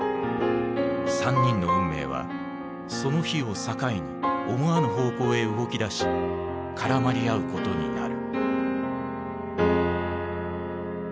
３人の運命はその日を境に思わぬ方向へ動き出し絡まり合うことになる。